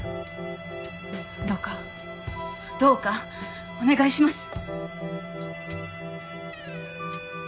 どうかどうかお願いします。